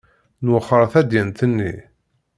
Nwexxer tadyant-nni.